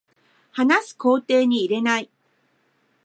話す工程に入れない